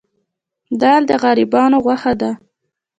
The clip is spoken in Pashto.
دال د غریبانو غوښه ده.